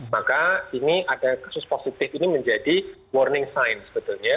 maka ini ada kasus positif ini menjadi warning science sebetulnya